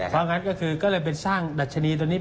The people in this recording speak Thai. อ๋อพออย่างนั้นก็คือก็เลยเป็นสร้างดัชนีตัวนี้